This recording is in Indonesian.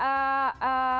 kemudian jadi perdebatan juga